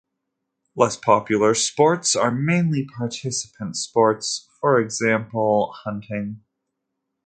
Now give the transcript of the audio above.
Less popular sports are mainly participant sports, for example hunting.